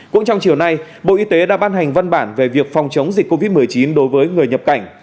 cũng trong chiều nay bộ y tế đã ban hành văn bản về việc phòng chống dịch covid một mươi chín đối với người nhập cảnh